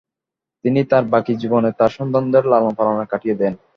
তিনি তার বাকি জীবন তার সন্তানদের লালনপালনে কাটিয়ে দেন।